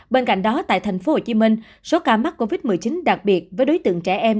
bên cạnh đó tại thành phố hồ chí minh số ca mắc covid một mươi chín đặc biệt với đối tượng trẻ em